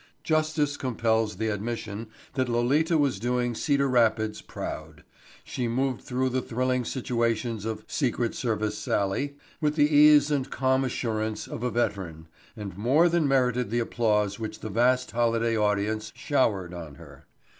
Justice compels the admission that Lolita was doing Cedar Rapids proud. She moved through the thrilling situations of "Secret Service Sallie" with the ease and calm assurance of a veteran and more than merited the applause which the vast holiday audience showered on her.